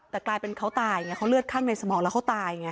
แต่กลายเป็นเขาตายไงเขาเลือดข้างในสมองแล้วเขาตายไง